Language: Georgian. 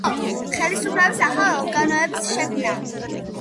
ხელისუფლების ახალი ორგანოების შექმნა